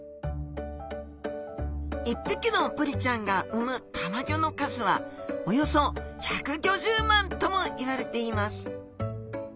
１匹のブリちゃんが産むたまギョの数はおよそ１５０万ともいわれています